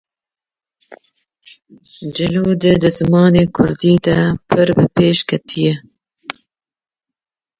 Claude di zimanê Kurdî da pir bi pêş ketîye